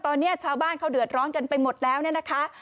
ตอนนี้ชาวบ้านเขาเดือดร้อนกันไปหมดแล้วเนี่ยนะคะ